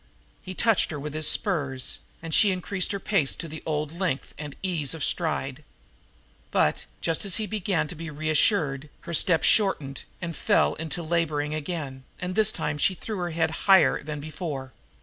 He touched her with the spurs, and she increased her pace to the old length and ease of stride; but, just as he had begun to be reassured, her step shortened and fell to laboring again, and this time she threw her head higher than before.